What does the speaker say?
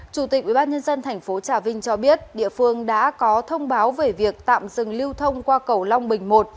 chủ tịch ubnd tp trà vinh cho biết địa phương đã có thông báo về việc tạm dừng lưu thông qua cầu long bình một